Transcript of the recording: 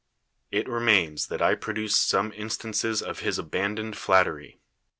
It remains that I produce some instances of his abandoned flattery.